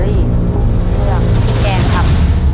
เลือกพริกแกงครับ